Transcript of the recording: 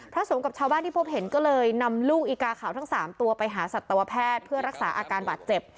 สงฆ์กับชาวบ้านที่พบเห็นก็เลยนำลูกอีกาขาวทั้ง๓ตัวไปหาสัตวแพทย์เพื่อรักษาอาการบาดเจ็บ